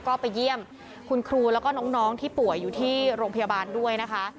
ก็ไปเยี่ยมคุณครูแล้วก็น้องที่ป่วยอยู่ที่โรงพยาบาลด้วยนะคะ